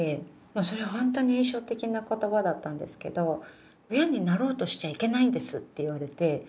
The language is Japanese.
もうそれは本当に印象的な言葉だったんですけど「親になろうとしちゃいけないんです」って言われて。